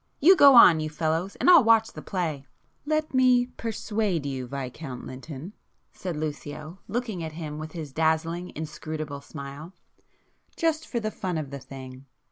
You go on, you fellows, and I'll watch the play." "Let me persuade you Viscount Lynton," said Lucio, looking at him with his dazzling inscrutable smile—"just for the fun of the thing!